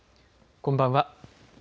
こんばんは。